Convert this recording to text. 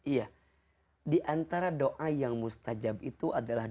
iya diantara doa yang mustajab itu adalah